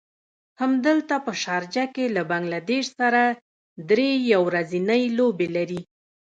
همدلته په شارجه کې له بنګله دېش سره دری يو ورځنۍ لوبې لري.